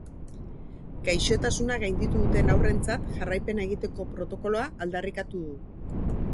Gaixotasuna gainditu duten haurrentzat jarraipena egiteko protokoloa aldarrikatu du.